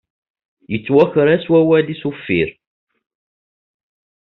Yettwaker-as wawal-is uffir.